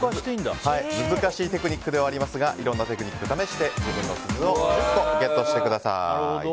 難しいテクニックではありますがいろんなテクニックを試して自分の鈴をゲットしてください。